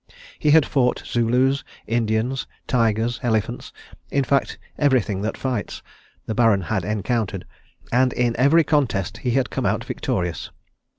He had fought Zulus, Indians, tigers, elephants in fact, everything that fights, the Baron had encountered, and in every contest he had come out victorious.